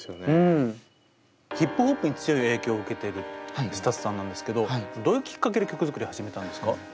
ヒップホップに強い影響を受けてるＳＴＵＴＳさんなんですけどどういうきっかけで曲作り始めたんですか？